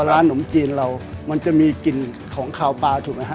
ร้านนมจีนเรามันจะมีกลิ่นของขาวปลาถูกไหมฮะ